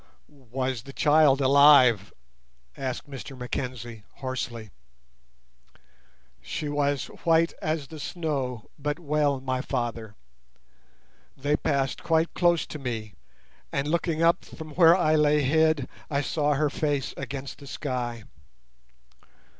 "Was the child alive?" asked Mr Mackenzie, hoarsely. "She was white as the snow, but well, my father. They passed quite close to me, and looking up from where I lay hid I saw her face against the sky."